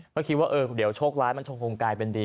ก็คิดว่าเดี๋ยวโชคร้ายมันคงกลายเป็นดี